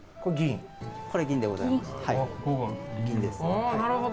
銀でございます。